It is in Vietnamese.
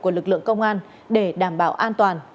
của lực lượng công an để đảm bảo an toàn